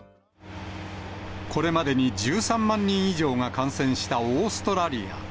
これまでに１３万人以上が感染したオーストラリア。